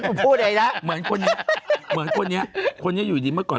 ไม่มีอูโบนไม่มีอะไรนั้นอะโอ้ย